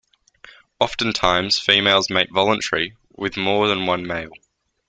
Often times females mate voluntarily with more than one male.